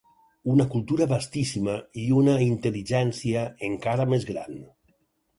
Una cultura vastíssima i una intel·ligència encara més gran.